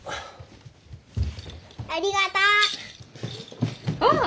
ありがとう！わあ！